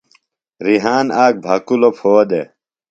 ریحان آک بھکُوۡلوۡ پھو دےۡ۔